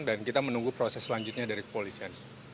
dan kita menunggu proses selanjutnya dari kepolisian